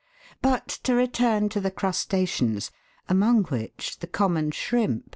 But to return to the crustaceans, among which the common shrimp (Fig.